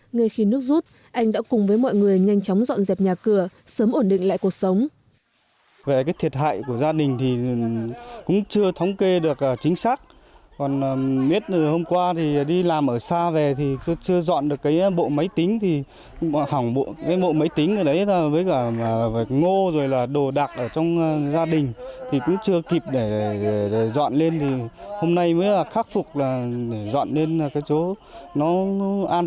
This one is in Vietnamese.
ngay khi nước rút anh đã cùng với mọi người nhanh chóng dọn dẹp nhà cửa sớm ổn định lại cuộc sống